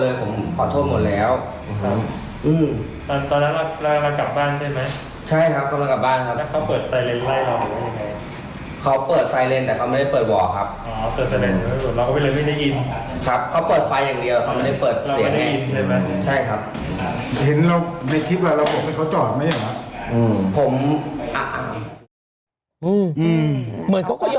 เหมือนเขาก็ยอมเหมือนได้สติหรือเปล่า